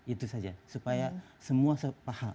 itu saja supaya semua paham